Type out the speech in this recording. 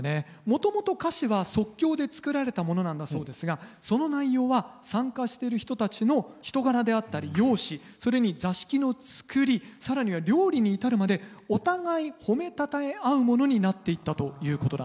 もともと歌詞は即興で作られたものなんだそうですがその内容は参加してる人たちの人柄であったり容姿それに座敷のつくり更には料理に至るまでお互い褒めたたえ合うものになっていったということなんです。